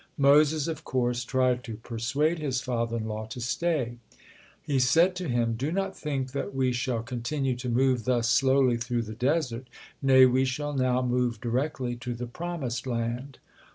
Moses, of course, tried to persuade his father in law to stay. He said to him: "Do not think that we shall continue to move thus slowly through the desert, nay, we shall now move directly to the promised land."